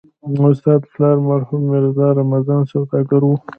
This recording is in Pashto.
د استاد پلار مرحوم ميرزا رمضان سوداګر و.